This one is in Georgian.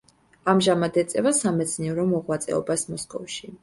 ამჟამად ეწევა სამეცნიერო მოღვაწეობას მოსკოვში.